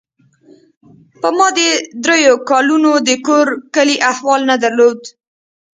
ما په دې درېو کلونو د کور کلي احوال نه درلود.